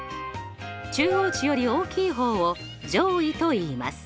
中央値より大きい方を上位といいます。